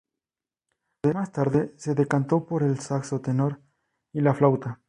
Más tarde se decantó por el saxo tenor y la flauta.